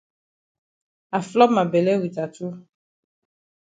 I flop ma bele wit achu.